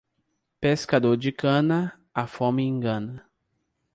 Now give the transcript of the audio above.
Pescador de cana, a fome engana.